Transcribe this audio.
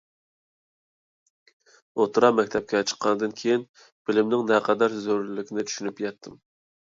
ئوتتۇرا مەكتەپكە چىققاندىن كېيىن، بىلىمنىڭ نەقەدەر زۆرۈرلۈكىنى چۈشىنىپ يەتتىم.